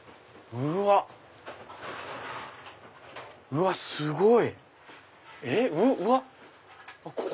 うわっすごい！